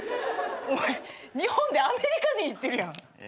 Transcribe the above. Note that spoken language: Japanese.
日本でアメリカ人いってるやん。